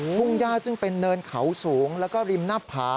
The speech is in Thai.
ทุ่งย่าซึ่งเป็นเนินเขาสูงแล้วก็ริมหน้าผา